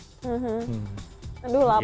aduh lapar ya